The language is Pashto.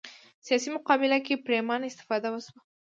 سیاسي مقابله کې پرېمانه استفاده وشوه